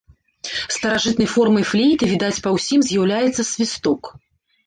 Старажытнай формай флейты, відаць па ўсім, з'яўляецца свісток.